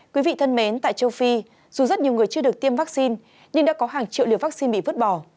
quý vị thân mến tại châu phi dù rất nhiều người chưa được tiêm vaccine nhưng đã có hàng triệu liều vaccine bị vứt bỏ